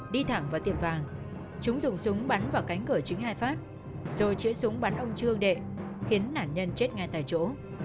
đi thẳng vào tiệm vàng chúng dùng súng bắn vào cánh cửa chính hai phát rồi chế súng bắn ông trương đệ khiến nạn nhân chết ngay tại chỗ